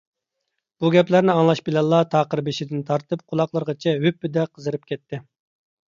بۇ گەپلەرنى ئاڭلاش بىلەنلا تاقىر بېشىدىن تارتىپ قۇلاقلىرىغىچە ھۈپپىدە قىزىرىپ كەتتى.